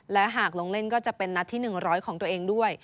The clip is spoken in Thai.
และหากลงเล่นก็จะเป็นนัดที่๑๐๐ของตัวเองด้วย